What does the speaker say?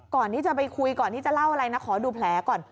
ก่อนที่จะไปคุยก่อนที่จะเล่าอะไรนะขอดูแผลก่อน